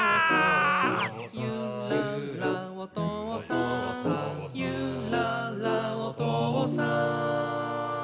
「ゆららおとうさん」「ゆららおとうさん」